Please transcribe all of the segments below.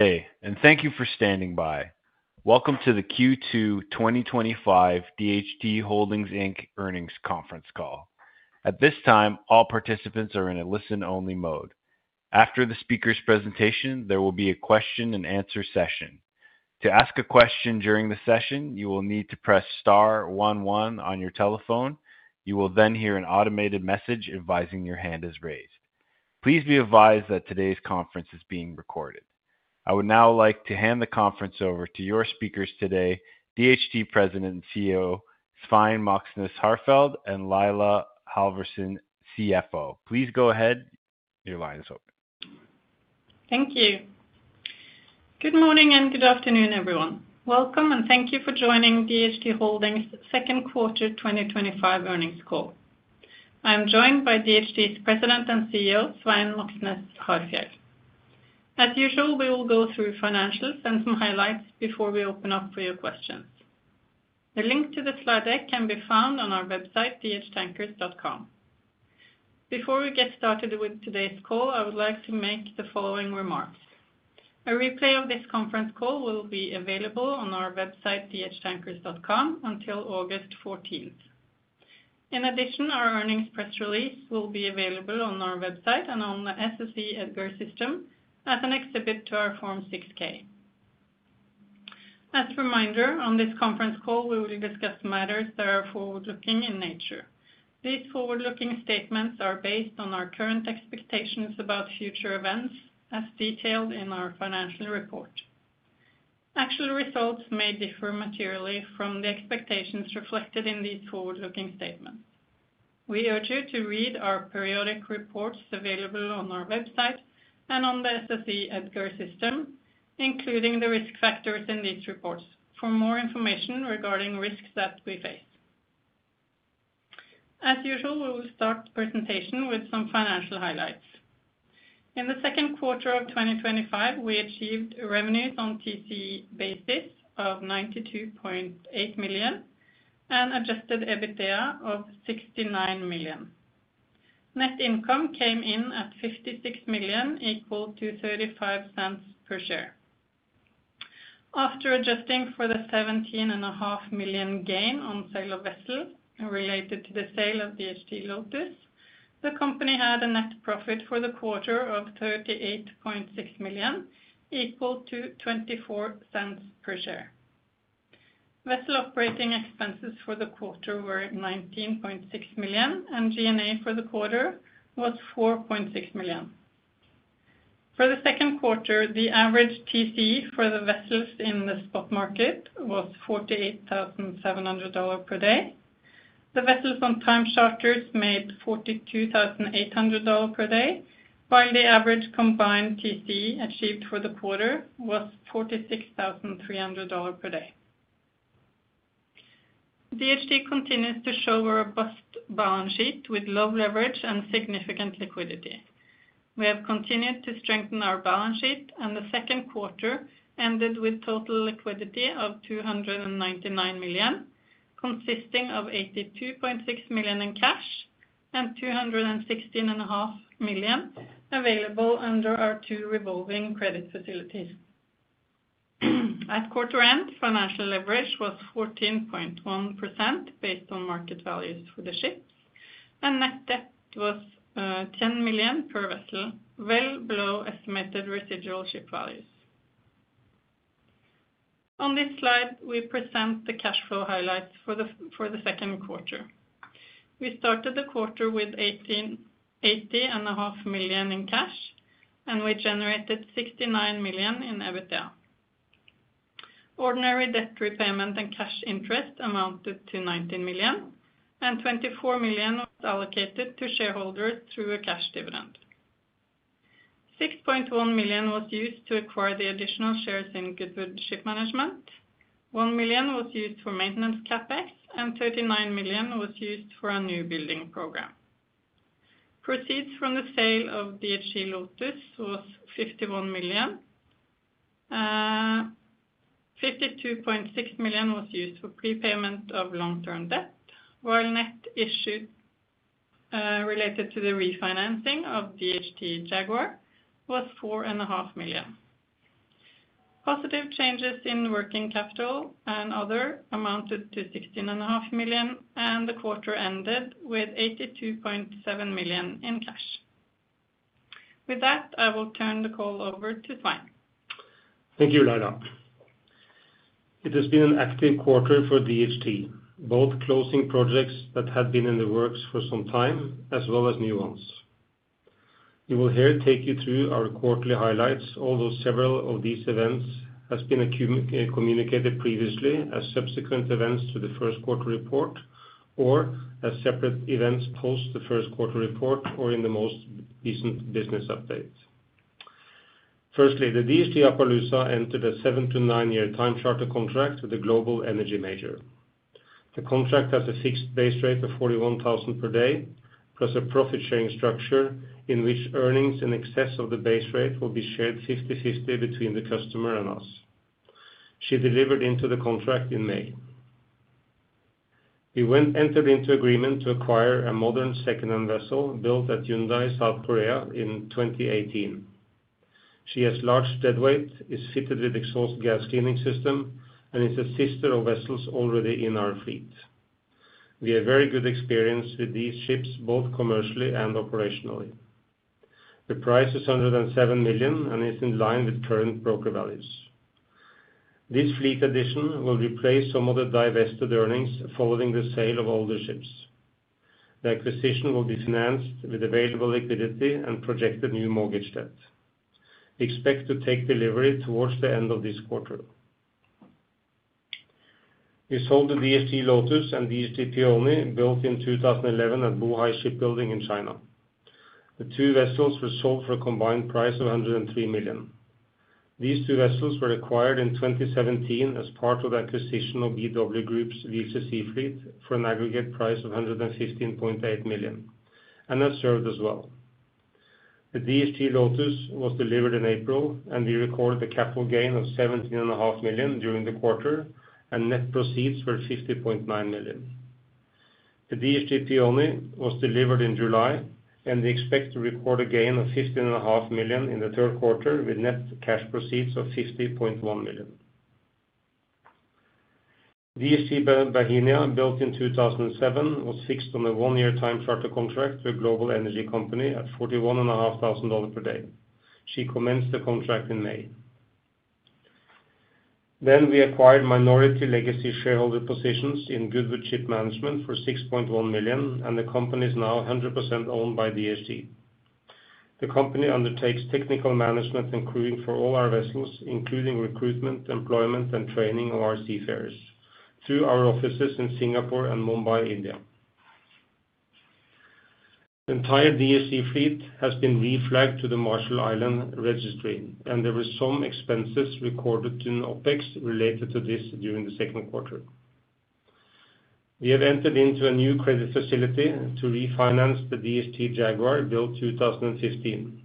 Okay, and thank you for standing by. Welcome to the Q2 2025 DHT Holdings Inc Earnings Conference Call. At this time, all participants are in a listen-only mode. After the speaker's presentation, there will be a question and answer session. To ask a question during the session, you will need to press star one one on your telephone. You will then hear an automated message advising your hand is raised. Please be advised that today's conference is being recorded. I would now like to hand the conference over to your speakers today, DHT President and CEO Svein Moxnes Harfjeld and Laila Cecilie Halvorsen, CFO. Please go ahead. Your line is open. Thank you. Good morning and good afternoon, everyone. Welcome and thank you for joining DHT Holdings second quarter 2025 earnings call. I am joined by DHT's President and CEO, Svein Moxnes Harfjeld. As usual, we will go through financials and some highlights before we open up for your questions. The link to the slide deck can be found on our website, dhtankers.com. Before we get started with today's call, I would like to make the following remarks. A replay of this conference call will be available on our website, dhtankers.com, until August 14. In addition, our earnings press release will be available on our website and on the SEC EDGAR system as an exhibit to our Form 6-K. As a reminder, on this conference call, we will discuss matters that are forward-looking in nature. These forward-looking statements are based on our current expectations about future events, as detailed in our financial report. Actual results may differ materially from the expectations reflected in these forward-looking statements. We urge you to read our periodic reports available on our website and on the SEC EDGAR system, including the risk factors in these reports for more information regarding risks that we face. As usual, we will start the presentation with some financial highlights. In the second quarter of 2025, we achieved revenues on a TCE basis of $92.8 million and adjusted EBITDA of $69 million. Net income came in at $56 million, equal to $0.35 per share. After adjusting for the $17.5 million gain on sale of vessels related to the sale of DHT Lotus, the company had a net profit for the quarter of $38.6 million, equal to $0.24 per share. Vessel operating expenses for the quarter were $19.6 million, and G&A for the quarter was $4.6 million. For the second quarter, the average TCE for the vessels in the spot market was $48,700 per day. The vessels on time charters made $42,800 per day, while the average combined TCE achieved for the quarter was $46,300 per day. DHT continues to show a robust balance sheet with low leverage and significant liquidity. We have continued to strengthen our balance sheet, and the second quarter ended with total liquidity of $299 million, consisting of $82.6 million in cash and $216.5 million available under our two revolving credit facilities. At quarter end, financial leverage was 14.1% based on market values for the ships, and net debt was $10 million per vessel, well below estimated residual ship values. On this slide, we present the cash flow highlights for the second quarter. We started the quarter with $18.5 million in cash, and we generated $69 million in adjusted EBITDA. Ordinary debt repayment and cash interest amounted to $19 million, and $24 million was allocated to shareholders through a cash dividend. $6.1 million was used to acquire the additional shares in Goodwood Ship Management, $1 million was used for maintenance CapEx, and $39 million was used for a newbuilding program. Proceeds from the sale of DHT Lotus were $51 million. $52.6 million was used for prepayment of long-term debt, while net issues related to the refinancing of DHT Jaguar were $4.5 million. Positive changes in working capital and other amounted to $16.5 million, and the quarter ended with $82.7 million in cash. With that, I will turn the call over to Svein. Thank you, Laila. It has been an active quarter for DHT, both closing projects that had been in the works for some time, as well as new ones. We will here take you through our quarterly highlights, although several of these events have been communicated previously as subsequent events to the first quarter report or as separate events post the first quarter report or in the most recent business update. Firstly, the DHT Appaloosa entered a seven to nine-year time charter contract with the global energy major. The contract has a fixed base rate of $41,000 per day, plus a profit sharing structure in which earnings in excess of the base rate will be shared 50-50 between the customer and us. She delivered into the contract in May. We entered into agreement to acquire a modern second-hand vessel built at Hyundai, South Korea in 2018. She has large deadweight, is fitted with exhaust gas cleaning system, and is a sister of vessels already in our fleet. We have very good experience with these ships, both commercially and operationally. The price is $107 million and is in line with current broker values. This fleet addition will replace some of the divested earnings following the sale of older ships. The acquisition will be financed with available liquidity and projected new mortgage debt. We expect to take delivery towards the end of this quarter. We sold the DHT Lotus and DHT Peony, built in 2011 at Bohai Shipbuilding in China. The two vessels were sold for a combined price of $103 million. These two vessels were acquired in 2017 as part of the acquisition of BW Group's Vista Sea Fleet for an aggregate price of $116.8 million and have served us well. The DHT Lotus was delivered in April, and we recorded a capital gain of $17.5 million during the quarter, and net proceeds were $50.9 million. The DHT Peony was delivered in July, and we expect to record a gain of $15.5 million in the third quarter with net cash proceeds of $50.1 million. DHT Bohemia, built in 2007, was fixed on a one-year time charter contract with a global energy company at $41,500 per day. She commenced the contract in May. We acquired minority legacy shareholder positions in Goodwood Ship Management for $6.1 million, and the company is now 100% owned by DHT. The company undertakes technical management and crewing for all our vessels, including recruitment, employment, and training of our seafarers through our offices in Singapore and Mumbai, India. The entire DHT fleet has been reflagged to the Marshall Islands Registry, and there were some expenses recorded in OpEx related to this during the second quarter. We have entered into a new credit facility to refinance the DHT Jaguar, built in 2015.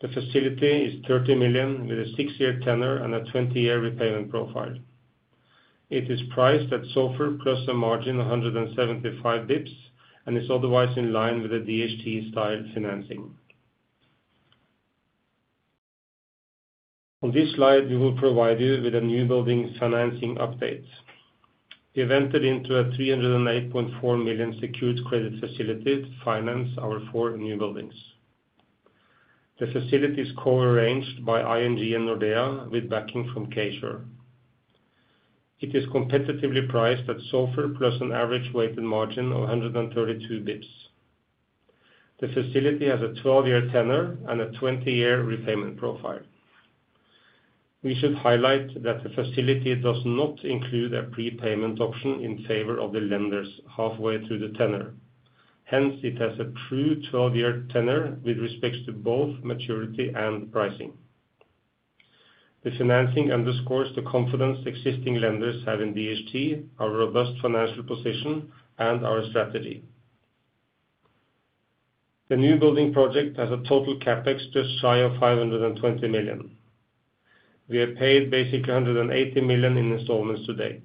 The facility is $30 million with a six-year tenor and a 20-year repayment profile. It is priced at SOFR, plus a margin of 175 bps and is otherwise in line with the DHT style financing. On this slide, we will provide you with a newbuilding financing update. We have entered into a $308.4 million secured credit facility to finance our four newbuildings. The facility is co-arranged by ING and Nordea with backing from KEXIM. It is competitively priced at SOFR, plus an average weighted margin of 132 bps. The facility has a 12-year tenor and a 20-year repayment profile. We should highlight that the facility does not include a prepayment option in favor of the lenders halfway through the tenor. Hence, it has a true 12-year tenor with respect to both maturity and pricing. The financing underscores the confidence the existing lenders have in DHT, our robust financial position, and our strategy. The newbuilding project has a total CapEx just shy of $520 million. We have paid basically $180 million in installments to date.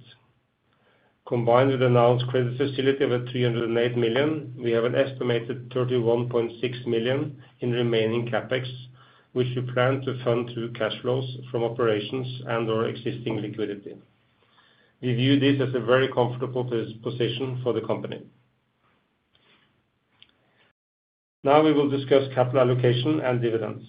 Combined with the announced credit facility of $308 million, we have an estimated $31.6 million in remaining CapEx, which we plan to fund through cash flows from operations and/or existing liquidity. We view this as a very comfortable position for the company. Now we will discuss capital allocation and dividends.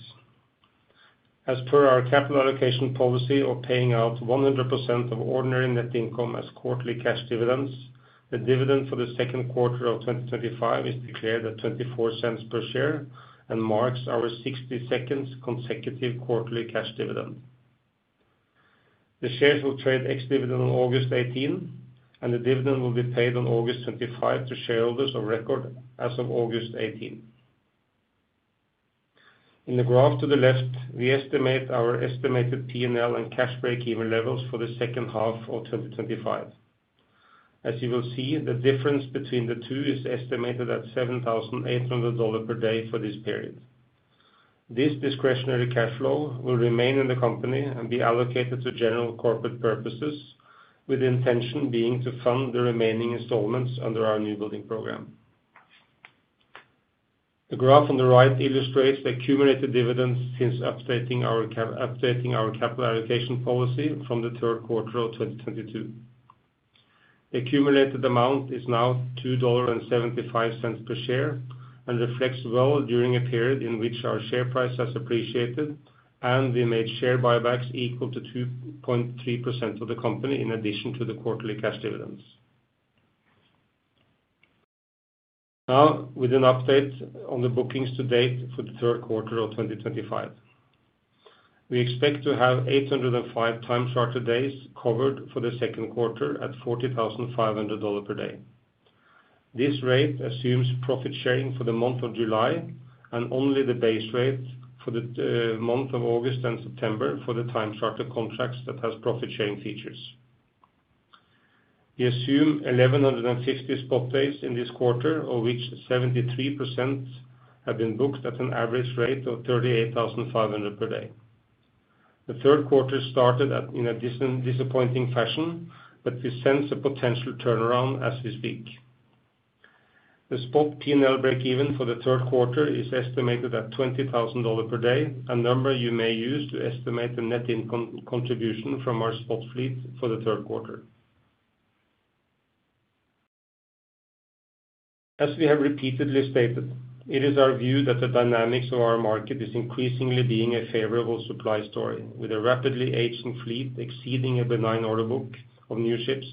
As per our capital allocation policy of paying out 100% of ordinary net income as quarterly cash dividends, the dividend for the second quarter of 2025 is declared at $0.24 per share and marks our 62nd consecutive quarterly cash dividend. The shares will trade ex-dividend on August 18, and the dividend will be paid on August 25 to shareholders of record as of August 18. In the graph to the left, we estimate our estimated P&L and cash breakeven levels for the second half of 2025. As you will see, the difference between the two is estimated at $7,800 per day for this period. This discretionary cash flow will remain in the company and be allocated to general corporate purposes with the intention being to fund the remaining installments under our newbuilding program. The graph on the right illustrates the accumulated dividends since updating our capital allocation policy from the third quarter of 2022. The accumulated amount is now $2.75 per share and reflects well during a period in which our share price has appreciated and we made share buybacks equal to 2.3% of the company in addition to the quarterly cash dividends. Now, with an update on the bookings to date for the third quarter of 2025. We expect to have 805x charter days covered for the second quarter at $40,500 per day. This rate assumes profit sharing for the month of July and only the base rate for the month of August and September for the time charter contracts that have profit sharing features. We assume 1,150 spot days in this quarter, of which 73% have been booked at an average rate of $38,500 per day. The third quarter started in a disappointing fashion, but we sense a potential turnaround as we speak. The spot P&L breakeven for the third quarter is estimated at $20,000 per day, a number you may use to estimate the net income contribution from our spot fleet for the third quarter. As we have repeatedly stated, it is our view that the dynamics of our market are increasingly being a favorable supply story, with a rapidly aging global fleet exceeding a benign order book of new ships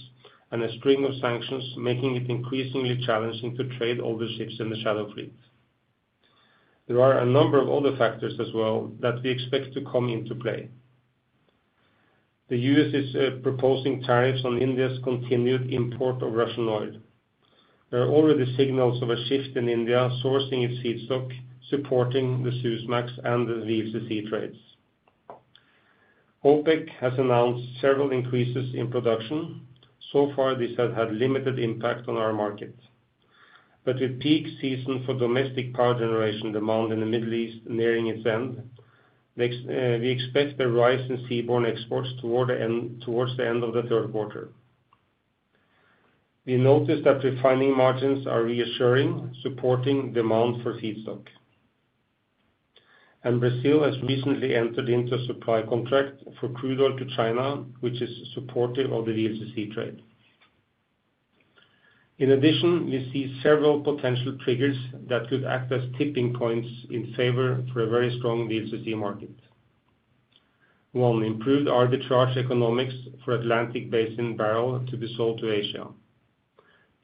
and a string of sanctions making it increasingly challenging to trade older ships in the shadow fleet. There are a number of other factors as well that we expect to come into play. The U.S. is proposing tariffs on India's continued import of Russian oil. There are already signals of a shift in India sourcing its seaborne crude stock, supporting the Suezmax and the VLCC trades. OPEC has announced several increases in production. So far, these have had limited impact on our market. With peak season for domestic power generation demand in the Middle East nearing its end, we expect a rise in seaborne exports towards the end of the third quarter. We noticed that refining margins are reassuring, supporting demand for crude stock. Brazil has recently entered into a supply contract for crude oil to China, which is supportive of the VLCC trade. In addition, we see several potential triggers that could act as tipping points in favor for a very strong VLCC market. One, improved arbitrage economics for Atlantic Basin barrels to be sold to Asia.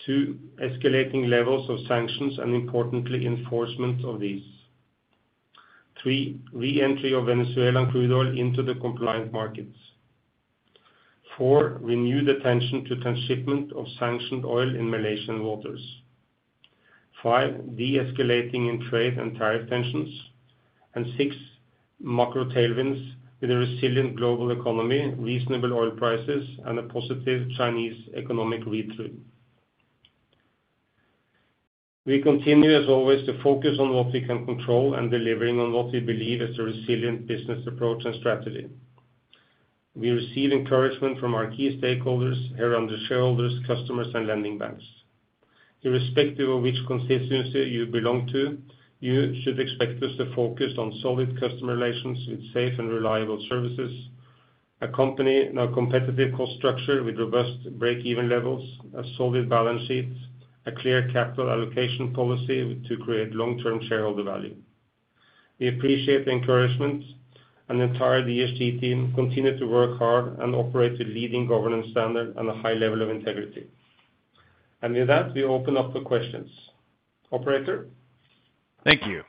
Two, escalating levels of sanctions and importantly, enforcement of these. Three, re-entry of Venezuelan crude oil into the compliant markets. Four, renewed attention to transshipment of sanctioned oil in Malaysian waters. Five, de-escalating in trade and tariff tensions. Six, macro tailwinds with a resilient global economy, reasonable oil prices, and a positive Chinese economic read-through. We continue, as always, to focus on what we can control and delivering on what we believe is a resilient business approach and strategy. We receive encouragement from our key stakeholders, here under shareholders, customers, and lending banks. Irrespective of which constituency you belong to, you should expect us to focus on solid customer relations with safe and reliable services, a company in a competitive cost structure with robust breakeven levels, a solid balance sheet, and a clear capital allocation policy to create long-term shareholder value. We appreciate the encouragement, and the entire DHT team continues to work hard and operate to leading governance standard and a high level of integrity. With that, we open up for questions. Operator? Thank you.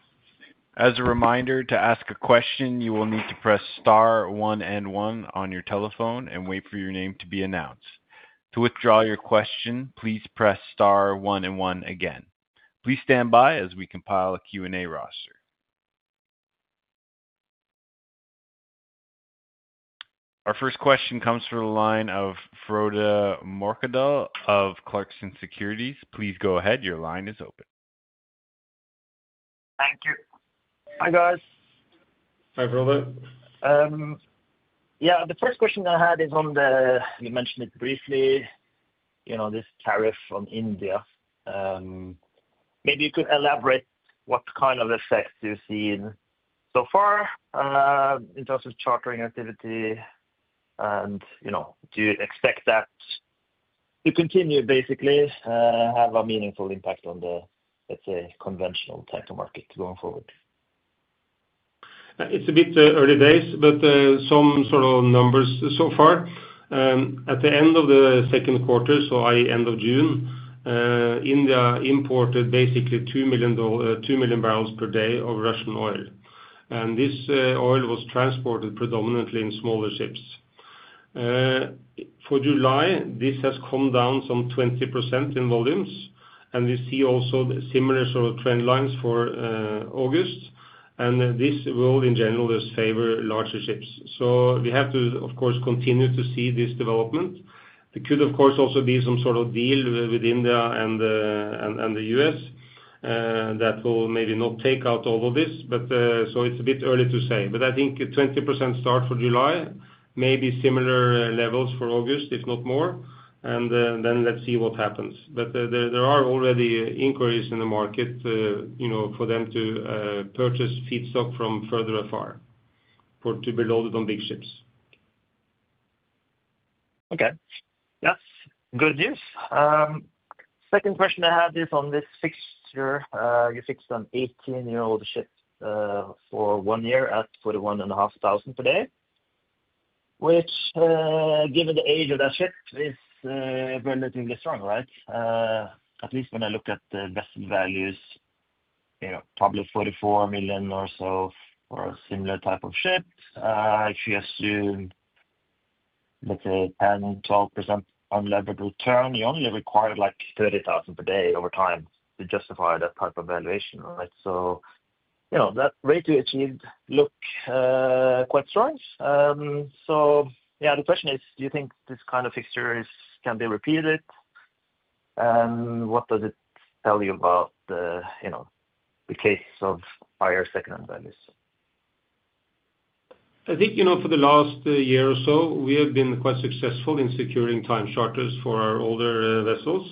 As a reminder, to ask a question, you will need to press star one one on your telephone and wait for your name to be announced. To withdraw your question, please press star one one again. Please stand by as we compile a Q&A roster. Our first question comes from the line of Frode Morkedal of Clarksons Platou Securities. Please go ahead. Your line is open. Thank you. Hi, guys. Hi Frode. Yeah, the first question I had is on the, you mentioned it briefly, you know, this tariff on India. Maybe you could elaborate what kind of effect you've seen so far in terms of chartering activity, and do you expect that to continue, basically, have a meaningful impact on the, let's say, conventional tanker market going forward? It's a bit early days, but some sort of numbers so far. At the end of the second quarter, so end of June, India imported basically 2 million barrels per day of Russian oil. This oil was transported predominantly in smaller ships. For July, this has come down some 20% in volumes. We see also similar sort of trend lines for August. This will, in general, just favor larger ships. We have to, of course, continue to see this development. There could, of course, also be some sort of deal with India and the U.S. that will maybe not take out all of this, so it's a bit early to say. I think 20% start for July, maybe similar levels for August, if not more. Let's see what happens. There are already inquiries in the market, you know, for them to purchase seed stock from further afar to be loaded on big ships. Okay. That's good news. Second question I have is on this fixture you fixed on 18-year-old ships for one year at $41,500 per day, which, given the age of that ship, is relatively strong, right? At least when I look at the best values, you know, probably $44 million or so for a similar type of ship. If you assume, let's say, 10%-12% unlevered return, you only require like $30,000 per day over time to justify that type of valuation, right? That rate you achieved looked quite strong. The question is, do you think this kind of fixture can be repeated? What does it tell you about the case of higher second-hand values? I think, you know, for the last year or so, we have been quite successful in securing time charters for our older vessels.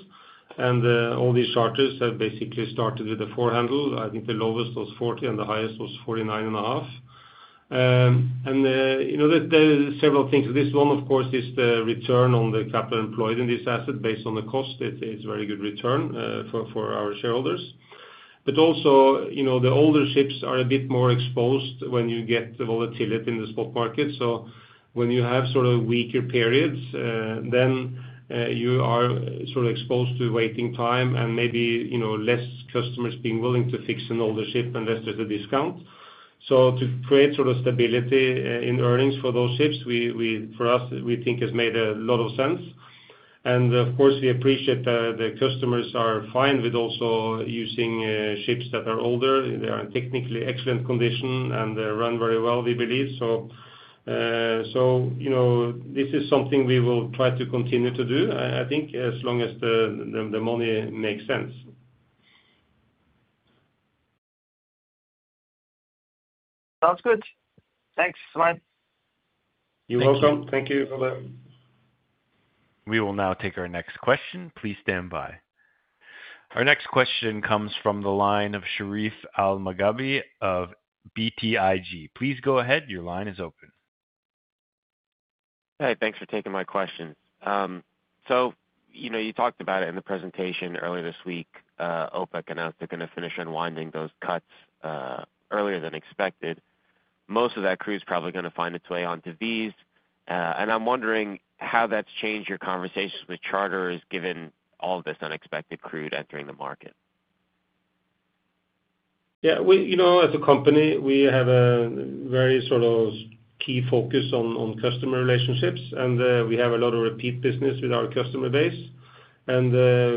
All these charters have basically started with a four-handle. I think the lowest was $40,000 and the highest was $49,500. There are several things. This one, of course, is the return on the capital employed in this asset based on the cost. It's a very good return for our shareholders. Also, the older ships are a bit more exposed when you get the volatility in the spot market. When you have sort of weaker periods, then you are sort of exposed to waiting time and maybe less customers being willing to fix an older ship and less discount. To create sort of stability in earnings for those ships, for us, we think it has made a lot of sense. We appreciate that the customers are fine with also using ships that are older. They are in technically excellent condition and run very well, we believe. This is something we will try to continue to do, I think, as long as the money makes sense. Sounds good. Thanks, Svein. You're welcome. Thank you, Frode. We will now take our next question. Please stand by. Our next question comes from the line of Sharif Elmaghrabi of BTIG. Please go ahead. Your line is open. Hey, thanks for taking my question. You talked about it in the presentation earlier this week. OPEC and OPEC are going to finish unwinding those cuts earlier than expected. Most of that crude is probably going to find its way onto these. I'm wondering how that's changed your conversations with charterers given all of this unexpected crude entering the market. Yeah, we, you know, as a company, we have a very sort of key focus on customer relationships. We have a lot of repeat business with our customer base. We are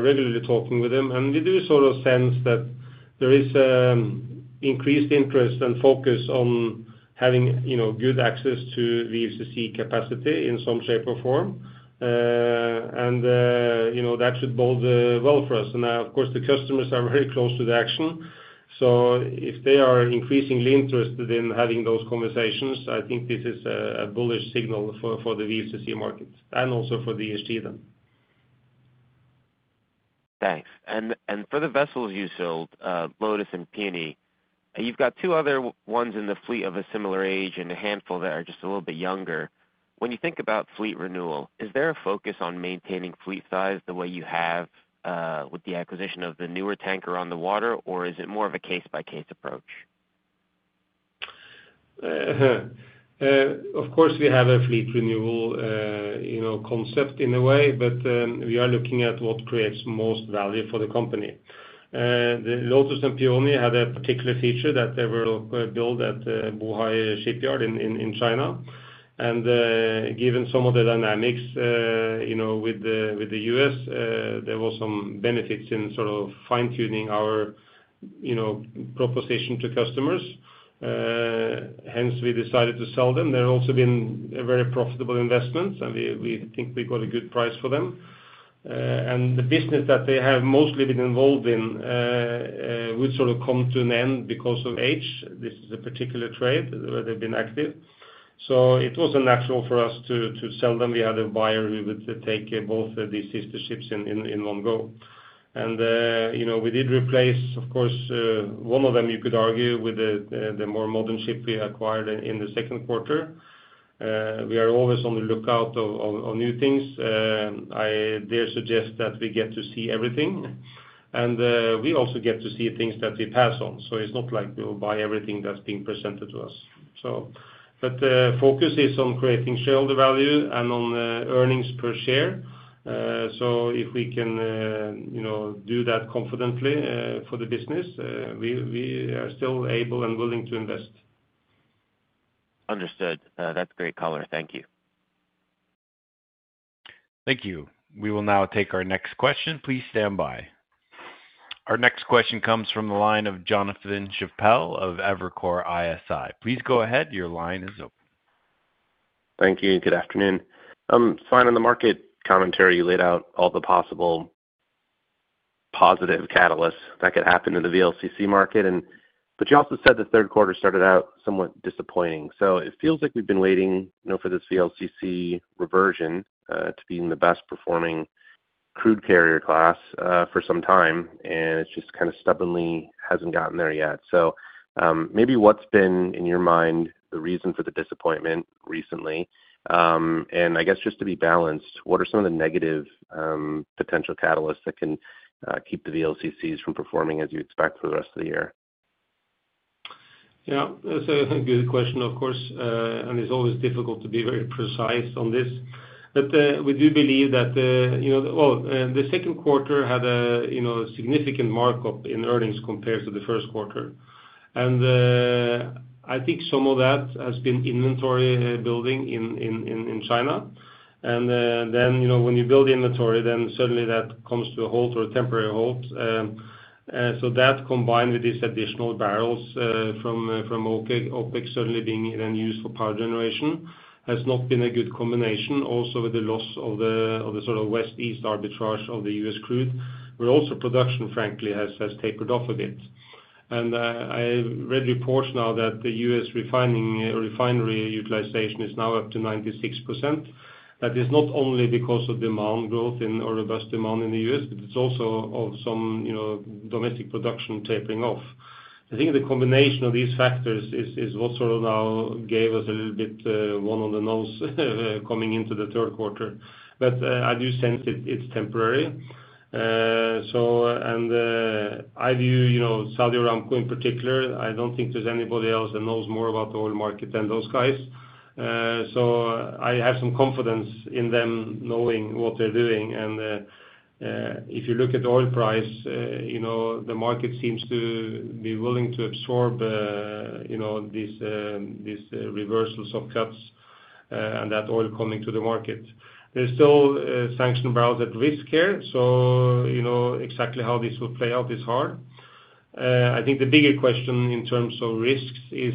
regularly talking with them. We do sort of sense that there is increased interest and focus on having, you know, good access to VLCC capacity in some shape or form. That should bode well for us. Of course, the customers are very close to the action. If they are increasingly interested in having those conversations, I think this is a bullish signal for the VLCC market and also for DHT then. Thanks. For the vessels you sold, Lotus and Peony, you've got two other ones in the fleet of a similar age and a handful that are just a little bit younger. When you think about fleet renewal, is there a focus on maintaining fleet size the way you have with the acquisition of the newer tanker on the water, or is it more of a case-by-case approach? Of course, we have a fleet renewal concept in a way, but we are looking at what creates most value for the company. The Lotus and Peony had a particular feature that they were built at Bohai Shipyard in China. Given some of the dynamics, you know, with the U.S., there were some benefits in sort of fine-tuning our, you know, proposition to customers. Hence, we decided to sell them. They've also been a very profitable investment, and we think we got a good price for them. The business that they have mostly been involved in would sort of come to an end because of age. This is a particular trade where they've been active. It was natural for us to sell them. We had a buyer who would take both these sister ships in one go. You know, we did replace, of course, one of them, you could argue, with the more modern ship we acquired in the second quarter. We are always on the lookout for new things. I dare suggest that we get to see everything. We also get to see things that we pass on. It is not like we will buy everything that's being presented to us. The focus is on creating shareholder value and on earnings per share. If we can, you know, do that confidently for the business, we are still able and willing to invest. Understood. That's a great color. Thank you. Thank you. We will now take our next question. Please stand by. Our next question comes from the line of Jonathan Chappell of Evercore ISI. Please go ahead. Your line is open. Thank you. Good afternoon. I'm fine on the market commentary. You laid out all the possible positive catalysts that could happen to the VLCC market. You also said the third quarter started out somewhat disappointing. It feels like we've been waiting for this VLCC reversion to be in the best-performing crude carrier class for some time. It just kind of stubbornly hasn't gotten there yet. Maybe what's been, in your mind, the reason for the disappointment recently? I guess just to be balanced, what are some of the negative potential catalysts that can keep the VLCCs from performing as you expect for the rest of the year? Yeah, that's a good question, of course. It's always difficult to be very precise on this. We do believe that, you know, the second quarter had a significant markup in earnings compared to the first quarter. I think some of that has been inventory building in China. When you build the inventory, then suddenly that comes to a halt, or a temporary halt. That, combined with these additional barrels from OPEC suddenly being then used for power generation, has not been a good combination, also with the loss of the sort of West-East arbitrage of the U.S. crude. Also, production, frankly, has tapered off a bit. I read reports now that the U.S. refinery utilization is now up to 96%. That is not only because of demand growth or robust demand in the U.S., but it's also of some, you know, domestic production tapering off. I think the combination of these factors is what sort of now gave us a little bit one on the nose coming into the third quarter. I do sense it's temporary. I view Saudi Aramco in particular, I don't think there's anybody else that knows more about the oil market than those guys. I have some confidence in them knowing what they're doing. If you look at the oil price, the market seems to be willing to absorb, you know, these reversals of cuts and that oil coming to the market. There's still sanctioned barrels at risk here. Exactly how this will play out is hard. I think the bigger question in terms of risks is,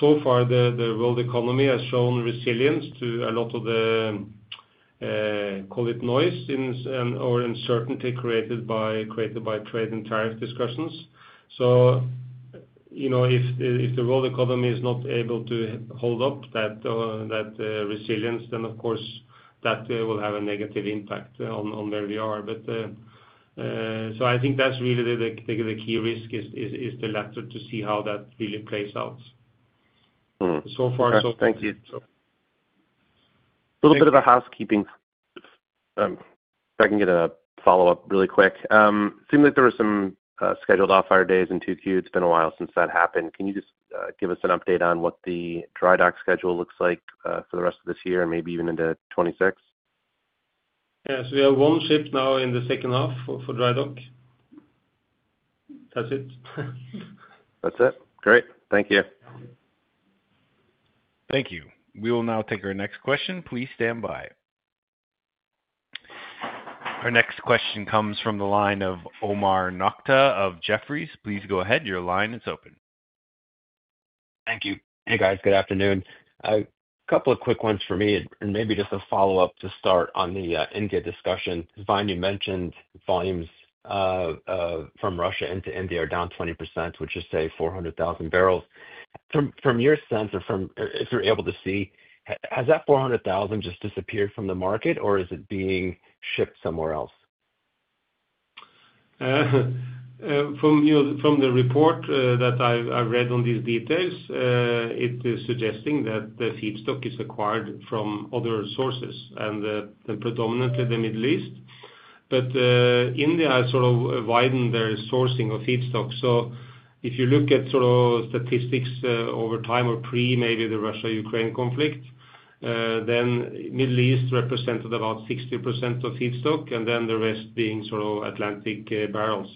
so far, the world economy has shown resilience to a lot of the, call it, noise or uncertainty created by trade and tariff discussions. If the world economy is not able to hold up that resilience, then, of course, that will have a negative impact on where we are. I think that's really the key risk is the latter to see how that really plays out. So far, so good. Thank you. A little bit of housekeeping. If I can get a follow-up really quick. It seemed like there were some scheduled off-hire days in 2Q. It's been a while since that happened. Can you just give us an update on what the dry dock schedule looks like for the rest of this year and maybe even into 2026? Yeah, we have one ship now in the second half for dry dock. That's it. That's it. Great. Thank you. Thank you. We will now take our next question. Please stand by. Our next question comes from the line of Omar Mostafa Nokta of Jefferies LLC. Please go ahead. Your line is open. Thank you. Hey guys, good afternoon. A couple of quick ones for me and maybe just a follow-up to start on the India discussion. Svein, you mentioned volumes from Russia into India are down 20%, which is, say, 400,000 barrels. From your sense or from if you're able to see, has that 400,000 just disappeared from the market or is it being shipped somewhere else? From the report that I read on these details, it is suggesting that the seed stock is acquired from other sources and predominantly the Middle East. India has sort of widened their sourcing of seed stock. If you look at statistics over time or pre maybe the Russia-Ukraine conflict, the Middle East represented about 60% of seed stock and the rest being sort of Atlantic barrels.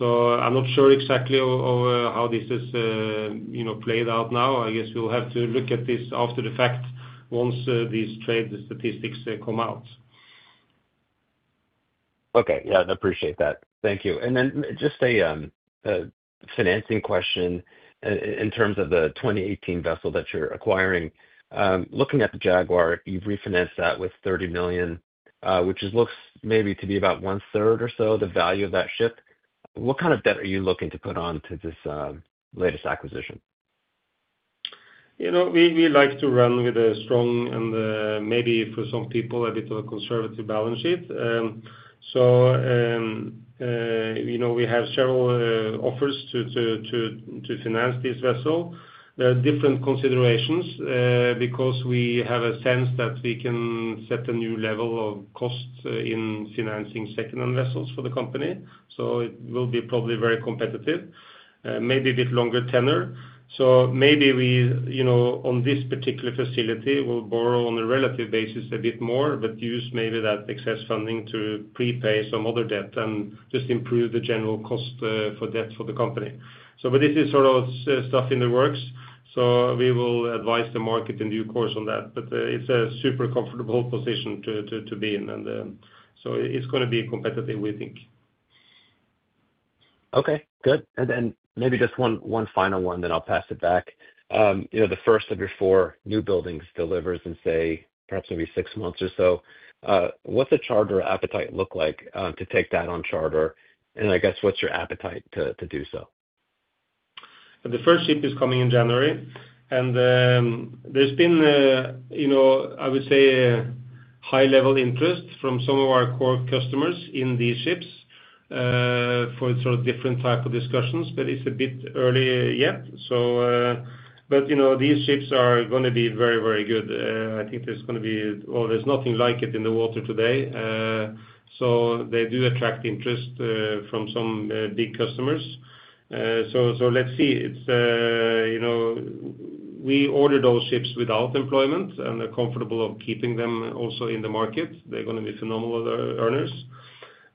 I'm not sure exactly how this has played out now. I guess we'll have to look at this after the fact once these trade statistics come out. Okay, yeah, I appreciate that. Thank you. Just a financing question in terms of the 2018 vessel that you're acquiring. Looking at the Jaguar, you've refinanced that with $30 million, which looks maybe to be about one-third or so the value of that ship. What kind of debt are you looking to put on to this latest acquisition? You know, we like to run with a strong and maybe for some people a bit of a conservative balance sheet. We have several offers to finance this vessel. There are different considerations because we have a sense that we can set a new level of cost in financing second-hand vessels for the company. It will be probably very competitive, maybe a bit longer tenor. We, you know, on this particular facility, will borrow on a relative basis a bit more, but use maybe that excess funding to prepay some other debt and just improve the general cost for debt for the company. This is sort of stuff in the works. We will advise the market in due course on that. It's a super comfortable position to be in. It's going to be competitive, we think. Okay, good. Maybe just one final one, then I'll pass it back. You know, the first of your four new buildings delivers in, say, perhaps maybe six months or so. What's the charter appetite look like to take that on charter? I guess, what's your appetite to do so? The first ship is coming in January. There's been, you know, I would say, high-level interest from some of our core customers in these ships for different types of discussions, but it's a bit early yet. These ships are going to be very, very good. I think there's going to be always nothing like it in the water today. They do attract interest from some big customers. Let's see. We order those ships without employment and are comfortable keeping them also in the market. They're going to be phenomenal earners.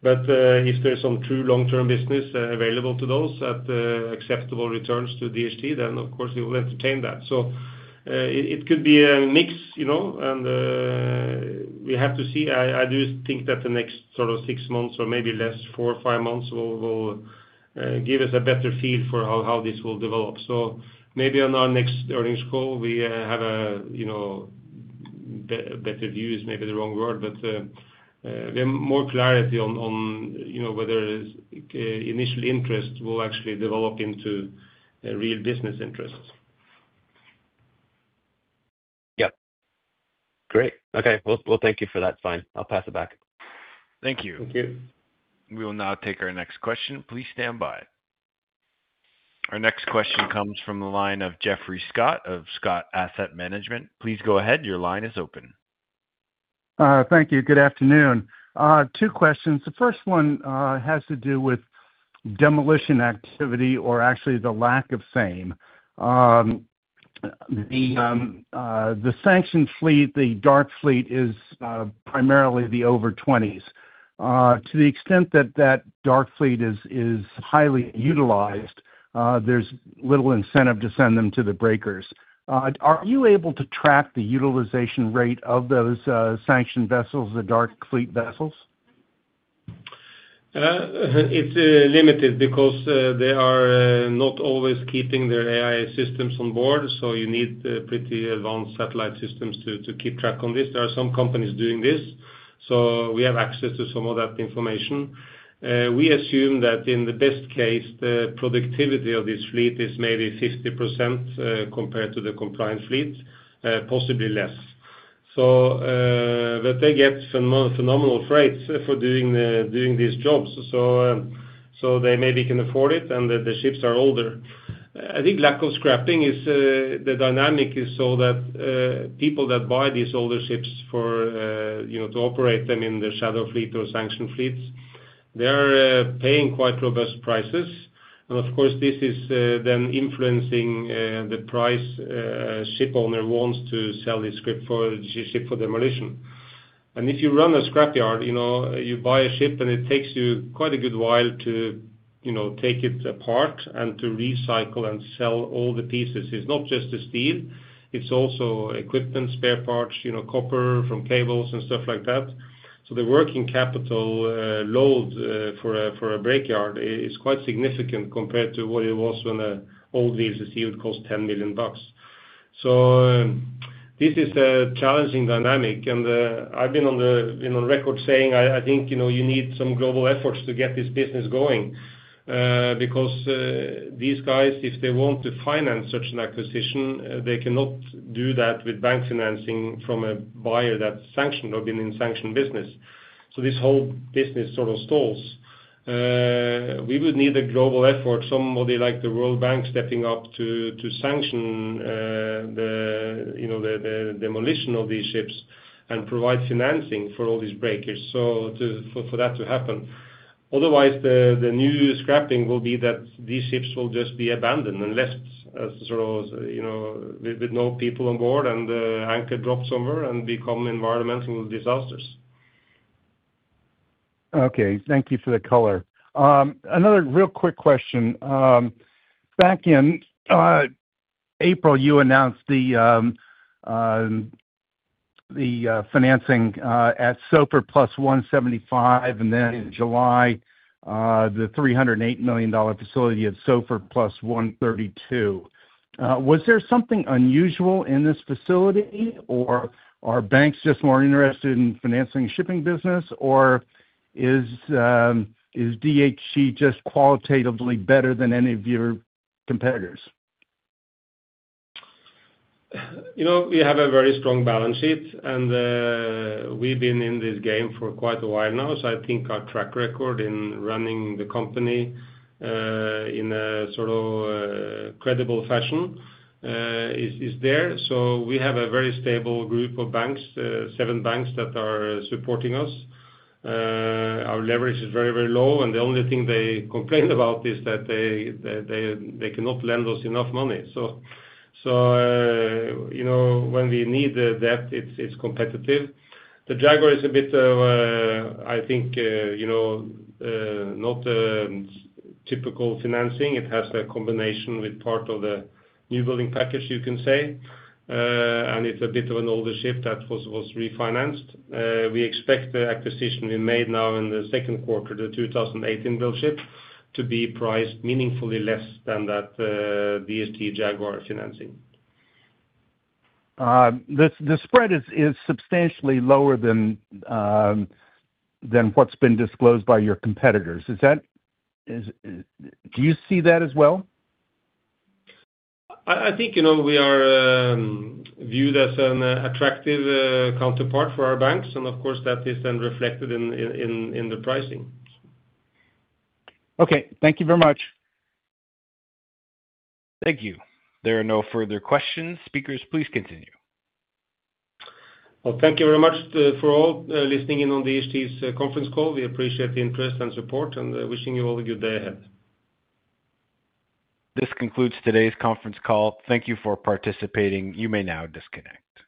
If there's some true long-term business available to those at acceptable returns to DHT, then of course we will entertain that. It could be a mix, you know, and we have to see. I do think that the next six months or maybe less, four or five months, will give us a better feel for how this will develop. Maybe on our next earnings call, we have a better views, maybe the wrong word, but we have more clarity on whether initial interest will actually develop into real business interests. Great. Okay. Thank you for that, Svein. I'll pass it back. Thank you. Thank you. We will now take our next question. Please stand by. Our next question comes from the line of Geoffrey Scott of Scott Asset Management. Please go ahead. Your line is open. Thank you. Good afternoon. Two questions. The first one has to do with demolition activity or actually the lack of same. The sanctioned fleet, the shadow fleet, is primarily the over 20s. To the extent that that shadow fleet is highly utilized, there's little incentive to send them to the breakers. Are you able to track the utilization rate of those sanctioned vessels, the shadow fleet vessels? It's limited because they are not always keeping their AI systems on board. You need pretty advanced satellite systems to keep track on this. There are some companies doing this. We have access to some of that information. We assume that in the best case, the productivity of this fleet is maybe 50% compared to the compliant fleet, possibly less. They get some phenomenal freight for doing these jobs, so they maybe can afford it and the ships are older. I think lack of scrapping is the dynamic, so that people that buy these older ships to operate them in the shadow fleet or sanctioned fleets are paying quite robust prices. This is then influencing the price a ship owner wants to sell his ship for demolition. If you run a scrapyard, you buy a ship and it takes you quite a good while to take it apart and to recycle and sell all the pieces. It's not just the steel. It's also equipment, spare parts, copper from cables and stuff like that. The working capital load for a breakyard is quite significant compared to what it was when an old VLCC would cost $10 million. This is a challenging dynamic. I've been on record saying I think you need some global efforts to get this business going. These guys, if they want to finance such an acquisition, cannot do that with bank financing from a buyer that's sanctioned or been in sanctioned business. This whole business sort of stalls. We would need a global effort, somebody like the World Bank stepping up to sanction the demolition of these ships and provide financing for all these breakers for that to happen. Otherwise, the new scrapping will be that these ships will just be abandoned and left as sort of, you know, with no people on board and the anchor drops somewhere and become environmental disasters. Okay. Thank you for the color. Another real quick question. Back in April, you announced the financing at SOFR +175, and then in July, the $308 million facility at SOFR +132. Was there something unusual in this facility, or are banks just more interested in financing the shipping business, or is DHT just qualitatively better than any of your competitors? You know, we have a very strong balance sheet, and we've been in this game for quite a while now. I think our track record in running the company in a sort of credible fashion is there. We have a very stable group of banks, seven banks that are supporting us. Our leverage is very, very low, and the only thing they complain about is that they cannot lend us enough money. When we need that, it's competitive. The Jaguar is a bit of, I think, you know, not typical financing. It has a combination with part of the newbuilding package, you can say. It's a bit of an older ship that was refinanced. We expect the acquisition we made now in the second quarter, the 2018 build ship, to be priced meaningfully less than that DHT Jaguar financing. The spread is substantially lower than what's been disclosed by your competitors. Do you see that as well? I think we are viewed as an attractive counterpart for our banks, and of course, that is then reflected in the pricing. Okay, thank you very much. Thank you. There are no further questions. Speakers, please continue. Thank you very much for all listening in on DHT's conference call. We appreciate the interest and support, and wishing you all a good day ahead. This concludes today's conference call. Thank you for participating. You may now disconnect.